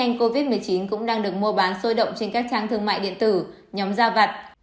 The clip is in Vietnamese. bệnh covid một mươi chín cũng đang được mua bán sôi động trên các trang thương mại điện tử nhóm da vặt